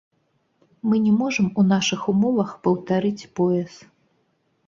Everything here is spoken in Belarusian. Мы не можам у нашых умовах паўтарыць пояс.